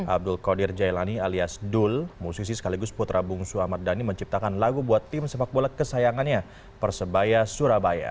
abdul qadir jailani alias dul musisi sekaligus putra bungsu ahmad dhani menciptakan lagu buat tim sepak bola kesayangannya persebaya surabaya